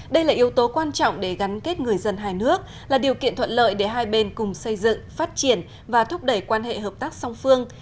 đây là yếu tố quan trọng để gắn kết người dân hai nước là điều kiện thuận lợi để hai bên cùng xây dựng phát triển và thúc đẩy quan hệ hợp tác song phương